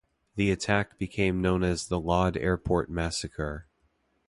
The attack became known as the Lod Airport massacre.